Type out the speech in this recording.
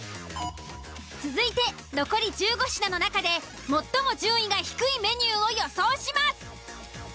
続いて残り１５品の中で最も順位が低いメニューを予想します。